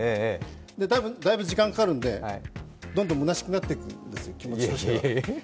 だいぶ時間かかるんで、どんどんむなしくなっていくんですよ、気持ちが。